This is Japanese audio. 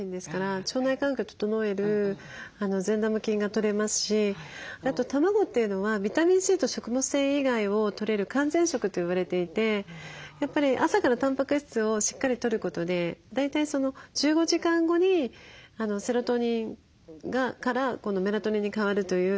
腸内環境を整える善玉菌がとれますしあと卵というのはビタミンＣと食物繊維以外をとれる完全食と言われていてやっぱり朝からたんぱく質をしっかりとることで大体１５時間後にセロトニンからメラトニンに変わるという。